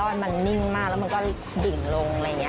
แล้วมันก็ดึงลงอะไรอย่างนี้